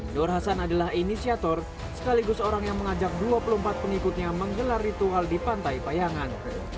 nur hasan adalah inisiator sekaligus orang yang mengajak dua puluh empat pengikutnya menggelar ritual di pantai payangan